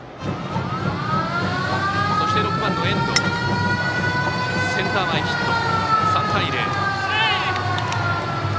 そして６番の遠藤はセンター前ヒット、３対０。